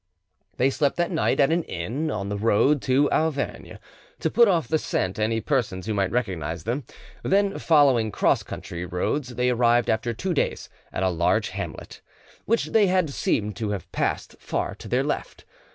They slept that night at an inn on the road to Auvergne, to put off the scent any persons who might recognise them; then, following cross country roads, they arrived after two days at a large hamlet, which they had seemed to have passed far to their left.